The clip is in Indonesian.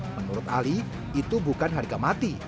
menurut ali itu bukan harga mati